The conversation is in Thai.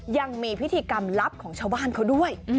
ยังมีพิธีกรรมลับของชาวบ้านเขาด้วย